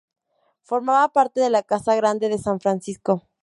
Formaba parte de la Casa Grande de San Francisco.